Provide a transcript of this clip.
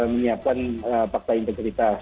menyiapkan fakta integritas